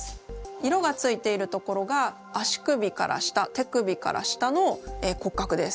色がついているところが足首から下手首から下の骨格です。